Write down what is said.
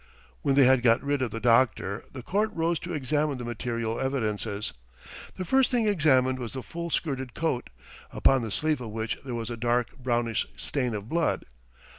When they had got rid of the doctor the court rose to examine the "material evidences." The first thing examined was the full skirted coat, upon the sleeve of which there was a dark brownish stain of blood.